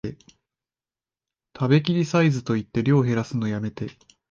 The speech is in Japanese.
食べきりサイズと言って量へらすのやめて